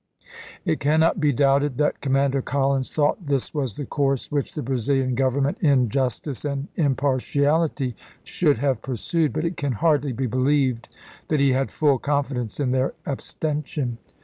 x It cannot be doubted that Commander Collins thought this was the course which the Brazilian Government in justice and impartiality should have pursued ; but it can hardly be believed that he had full confidence in their abstention.